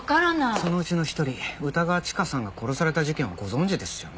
そのうちの一人歌川チカさんが殺された事件はご存じですよね？